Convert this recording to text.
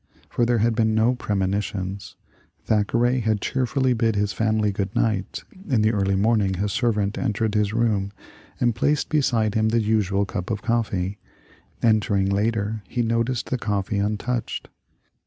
For there had been no premonitions ; Thackeray had cheerfully bid his family good night ; in the early morning his servant entered his room and placed beside him the usual cup of coffee ; entering later, he noticed the coffee untouched.